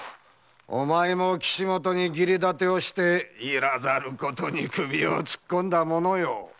お前も岸本に義理立てしていらぬことに首を突っ込んだものよ。